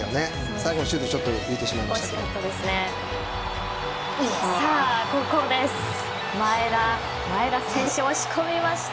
最後シュートちょっと浮いてしまいました。